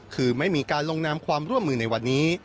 คือไม่มีการลงนามความร่วมมือในวันนี้